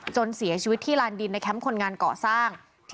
จนเสียชีวิตที่ลานดินในแคมป์คนงานเกาะสร้าง